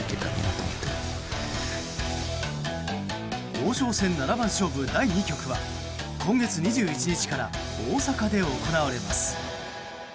王将戦七番勝負第２局は今月２１日から大阪で行われます。